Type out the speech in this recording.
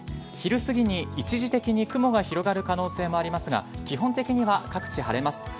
昼すぎに一時的に雲が広がる可能性もありますが基本的には各地、晴れます。